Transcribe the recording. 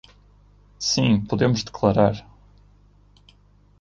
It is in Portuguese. Sim, podemos declarar.